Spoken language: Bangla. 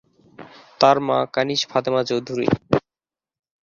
তার মা কানিজ ফাতেমা চৌধুরী।